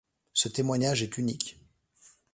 Ce témoignage est unique.